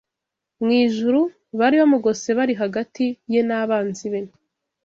mu ijuru bari bamugose bari hagati ye n’abanzi be